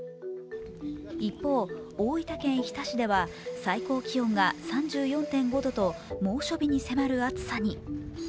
一方、大分県日田市では最高気温が３４．５度と猛暑日に迫る暑さに。